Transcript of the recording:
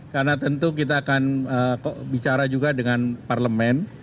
karena tentu kita akan bicara juga dengan parlemen